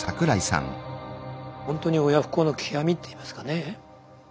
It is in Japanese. ほんとに親不孝の極みっていいますかね。